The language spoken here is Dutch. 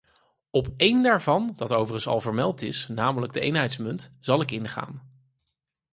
Op één daarvan, dat overigens al vermeld is, namelijk de eenheidsmunt, zal ik ingaan.